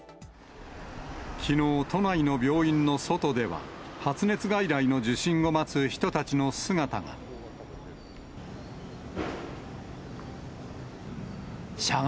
きのう、都内の病院の外では、発熱外来の受診を待つ人たちの姿が。